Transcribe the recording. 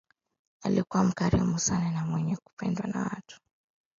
Tabia nchi na mambo mengine ambayo ndiyo changamoto za kizazi cha sasa cha dunia